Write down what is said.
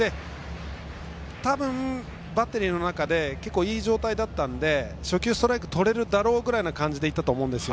たぶんバッテリーの中でいい状態だったんで初球ストライクをとれるだろうという感じだったと思います。